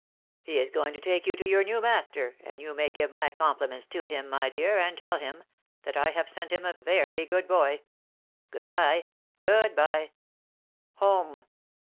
" He is going to take you to your new master, and you may give my compliments to him, my dear, and tell him, that I have sent him a very good boy. Good bye !— Good bye !— Home